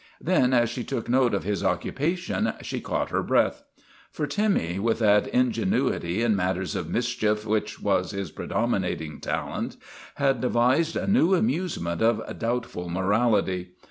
Then, as she took note of his occupation, she caught her breath. For Timmy, with that ingenuity in matters of mischief which was his predominating talent, had devised a new amusement of doubtful morality.